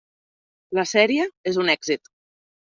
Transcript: La sèrie és un èxit.